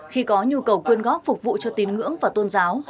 khi có nhu cầu quyên góp phục vụ cho tín ngưỡng và tôn giáo